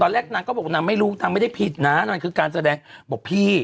แรกนางก็บอกนางไม่รู้นางไม่ได้ผิดนะนางคือการแสดงบอกพี่